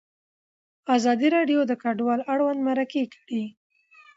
ازادي راډیو د کډوال اړوند مرکې کړي.